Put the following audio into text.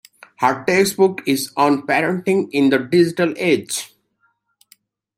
Her next book is on parenting in the digital age.